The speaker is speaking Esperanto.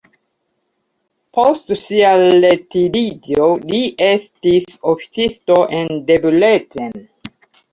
Post sia retiriĝo li estis oficisto en Debrecen.